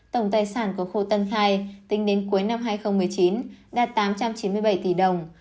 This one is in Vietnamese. tổng tài sản của khu tân khai tính đến cuối năm hai nghìn một mươi chín đạt tám trăm chín mươi bảy tỷ đồng